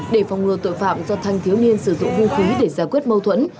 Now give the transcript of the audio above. để phòng ngừa tội phạm do thanh thiếu niên sử dụng hung khí để giải quyết mâu thuẫn